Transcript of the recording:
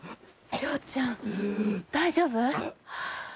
遼ちゃん大丈夫？